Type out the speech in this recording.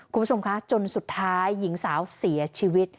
คุณผู้ชมคะจนสุดท้ายหญิงสาวเสียชีวิต